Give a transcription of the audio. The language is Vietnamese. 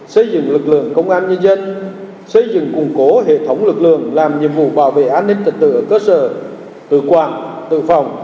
xây dựng lực lượng công an nhân dân xây dựng củng cố hệ thống lực lượng làm nhiệm vụ bảo vệ an ninh trật tự ở cơ sở tự quản tự phòng